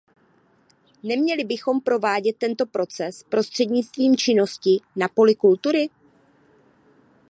Neměli bychom provádět tento proces prostřednictvím činnosti na poli kultury?